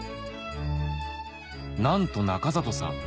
なんと中里さん